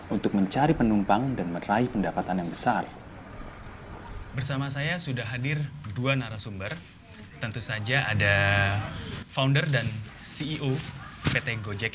untuk mencari penumpang dan menemukan ojek